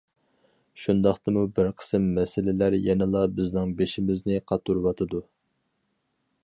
شۇنداقتىمۇ بىر قىسىم مەسىلىلەر يەنىلا بىزنىڭ بېشىمىزنى قاتۇرۇۋاتىدۇ.